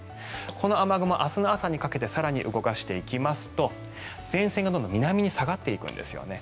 この雨雲、明日の朝にかけて更に動かしていきますと前線がどんどん南に下がっていくんですよね。